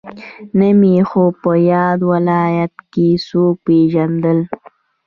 نه مې هم په ياد ولايت کې څوک پېژندل.